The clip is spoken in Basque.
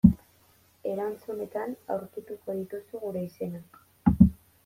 Erantzunetan aurkituko dituzu gure izenak.